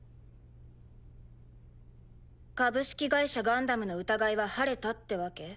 「株式会社ガンダム」の疑いは晴れたってわけ？